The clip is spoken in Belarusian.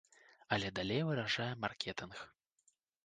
Але далей вырашае маркетынг.